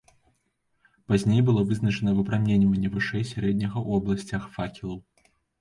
Пазней было вызначана выпраменьванне вышэй сярэдняга ў абласцях факелаў.